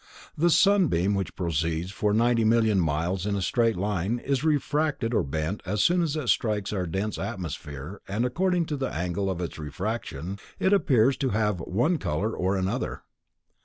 The sunbeam which proceeds for 90 millions of miles in a straight line, is refracted or bent as soon as it strikes our dense atmosphere, and according to the angle of its refraction, it appears to have one color or another.